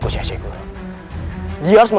apa kabar raden